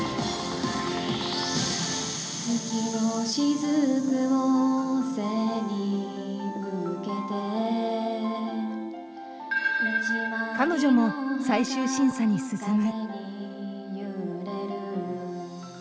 月の雫を背に受けて彼女も最終審査に進む。